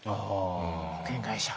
保険会社。